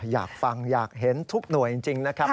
อยากฟังอยากเห็นทุกหน่วยจริงนะครับ